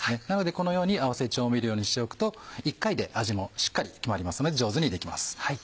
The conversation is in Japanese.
なのでこのように合わせ調味料にしておくと１回で味もしっかり決まりますので上手にできます。